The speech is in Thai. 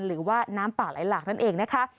หรือว่าน้ำป่าไหลหลากนั่นเองนะคะ